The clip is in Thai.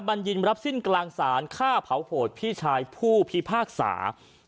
บัญญินรับสิ้นกลางศาลฆ่าเผาโหดพี่ชายผู้พิพากษา